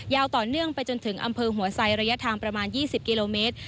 ยาวต่อเนื่องไปจนถึงอำเภอหัวไซระยะทางประมาณ๒๐กิโลเมตร